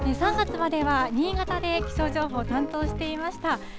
３月までは新潟で気象情報を担当していました。